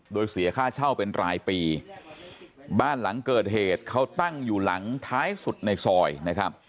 โดยเสียค่าเช่าเป็นรายปีบ้านหลังเกิดเหตุเขาตั้งอยู่หลังท้ายสุดในซอยนะครับ